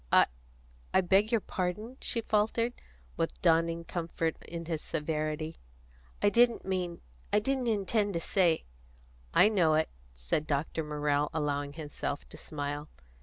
"I I beg your pardon," she faltered, with dawning comfort in his severity. "I didn't mean I didn't intend to say " "I know it," said Dr. Morrell, allowing himself to smile.